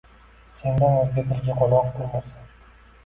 Sendan o’zga dilga qo’noq bo’lmasa!